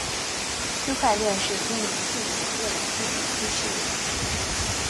区块链是今年最火热的科技趋势了